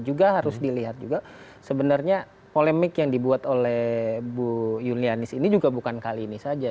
juga harus dilihat juga sebenarnya polemik yang dibuat oleh bu yulianis ini juga bukan kali ini saja